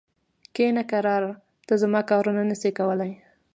کښینه کرار! ته زما کارونه نه سې کولای.